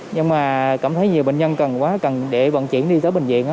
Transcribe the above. nhưng mà cảm thấy nhiều bệnh nhân cần quá cần để vận chuyển đi tới bệnh viện